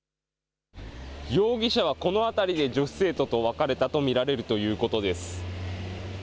容疑者はこの辺りで女子生徒と別れたと見られるということです。